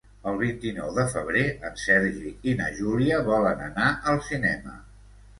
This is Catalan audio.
El vint-i-nou de febrer en Sergi i na Júlia volen anar al cinema.